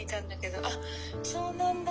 あっそうなんだ。